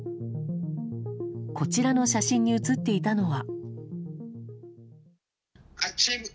こちらの写真に写っていたのは。